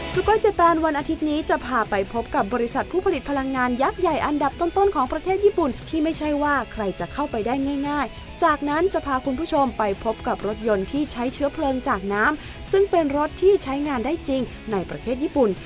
โกยเจแปนวันอาทิตย์นี้จะพาไปพบกับบริษัทผู้ผลิตพลังงานยักษ์ใหญ่อันดับต้นของประเทศญี่ปุ่นที่ไม่ใช่ว่าใครจะเข้าไปได้ง่ายจากนั้นจะพาคุณผู้ชมไปพบกับรถยนต์ที่ใช้เชื้อเพลิงจากน้ำซึ่งเป็นรถที่ใช้งานได้จริงในประเทศญี่ปุ่น